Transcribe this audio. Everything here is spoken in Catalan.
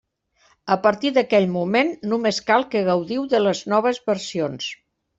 A partir d'aquell moment, només cal que gaudiu de les noves versions.